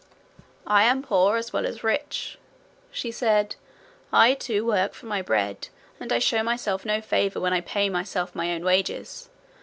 'I am poor as well as rich,' said she. 'I, too, work for my bread, and I show myself no favour when I pay myself my own wages.